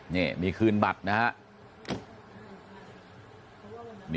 เนี่ยมีคืนบัดนะฮะ